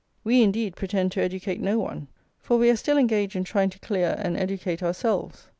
We, indeed, pretend to educate no one, for we are still engaged in trying to clear and educate ourselves.